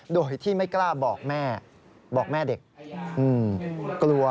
โดยที่ไม่กล้าบอกแม่เด็ก